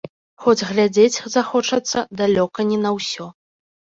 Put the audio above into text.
Хоць глядзець захочацца далёка не на ўсё.